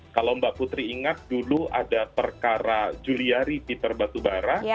kalau mbak putri ingat dulu ada perkara juliari peter batubara